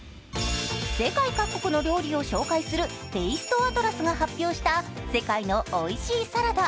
世界各国の料理を紹介する「テイストアトラス」が発表した世界のおいしいサラダ。